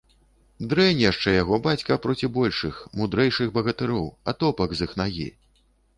Дрэнь яшчэ яго бацька проці большых, мудрэйшых багатыроў, атопак з іх нагі.